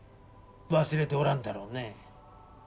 忘れておらんだろうね。